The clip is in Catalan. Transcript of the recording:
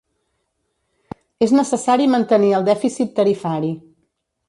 És necessari mantenir el dèficit tarifari.